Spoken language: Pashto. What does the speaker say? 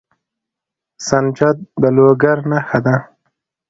سنجد د لوګر نښه ده.